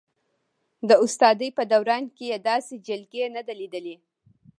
د استادۍ په دوران کې یې داسې جلکۍ نه ده لیدلې.